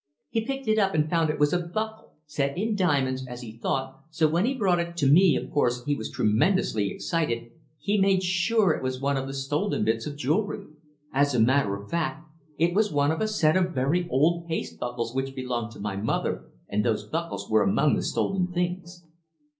He picked it up and found it was a buckle, set in diamonds, as he thought, so when he brought it to me of course he was tremendously excited he made sure it was one of the stolen bits of jewellery. As a matter of fact, it was one of a set of very old paste buckles which belonged to my mother, and those buckles were among the stolen things."